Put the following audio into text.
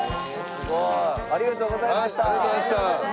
すごい！ありがとうございました。